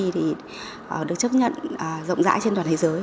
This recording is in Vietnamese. thì được chấp nhận rộng rãi trên toàn thế giới